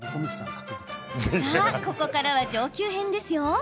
さあ、ここからは上級編ですよ。